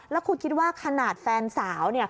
แล้วคุณคิดว่าขนาดแฟนสาว